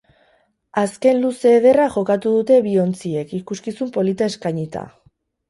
Azken luze ederra jokatu dute bi ontziek ikuskizun polita eskainita.